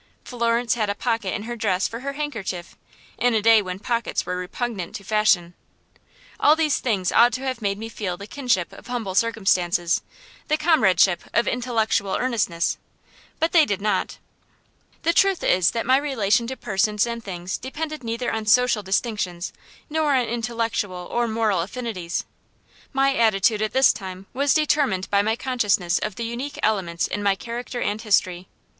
Florence had a pocket in her dress for her handkerchief, in a day when pockets were repugnant to fashion. All these things ought to have made me feel the kinship of humble circumstances, the comradeship of intellectual earnestness; but they did not. The truth is that my relation to persons and things depended neither on social distinctions nor on intellectual or moral affinities. My attitude, at this time, was determined by my consciousness of the unique elements in my character and history.